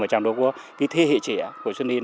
và trong đó có cái thế hệ trẻ của xuân yên